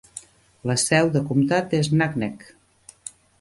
La seu de comptat és Naknek.